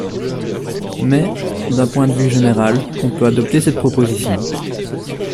Mais, d’un point de vue général, on peut adopter cette proposition.